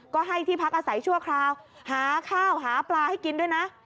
ก็ให้ที่พักอาศัยชั่วคราวหาข้าวหาปลาให้กินด้วยนะ